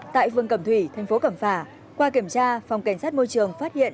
tại phường cẩm thủy thành phố cẩm phả qua kiểm tra phòng cảnh sát môi trường phát hiện